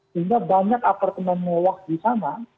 sehingga banyak apartemen mewah di sana